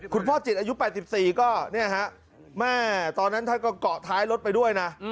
คุณพ่อจิตอายุ๘๔ก็เนี่ยฮะแม่ตอนนั้นท่านก็เกาะท้ายรถไปด้วยนะ